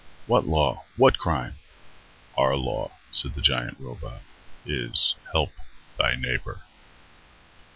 "What law? What crime?" "Our law," said the giant robot, "is, Help thy neighbor."